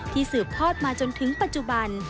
สืบทอดมาจนถึงปัจจุบัน